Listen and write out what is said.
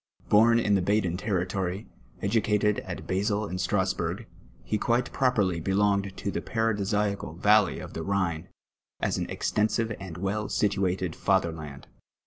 Bom in the leaden territory', edu cated at Basle and Strasburi^. he quite j)roj)(rly belon^vl to the paradisiacal valley of tlie Kliine, as an extensive and well situated fatherland.